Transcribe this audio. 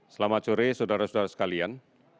selamat sore saudara saudara sekalian